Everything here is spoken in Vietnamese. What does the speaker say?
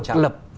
nó độc lập